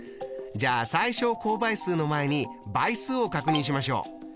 じゃあ最小公倍数の前に倍数を確認しましょう。